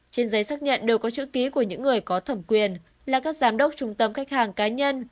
trên giấy xác nhận đều có chữ ký của những người có thẩm quyền là các giám đốc trung tâm khách hàng cá nhân